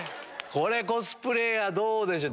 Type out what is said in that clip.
これコスプレーヤーどうでしょう。